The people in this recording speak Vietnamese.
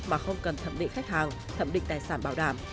mà không cần thẩm định khách hàng thẩm định tài sản bảo đảm